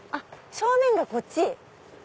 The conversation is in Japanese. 正面がこっち。